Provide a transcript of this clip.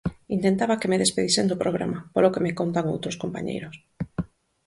Intentaba que me despedisen do programa, polo que me contan outros compañeiros.